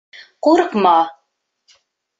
— Ҡурҡма!